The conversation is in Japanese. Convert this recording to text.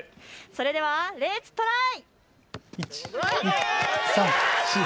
それではレッツトライ！